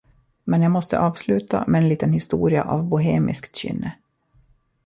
Men jag måste avsluta med en liten historia av bohemiskt kynne.